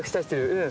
うん。